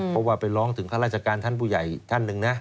เพราะว่าไปร้องถึงข้าราชการท่านผู้ใหญ่ท่านหนึ่งนะ